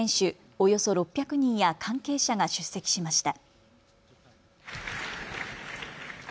およそ６００人や関係者が出席しました。